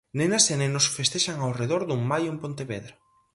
Nenas e nenos festexan ao redor dun Maio en Pontevedra.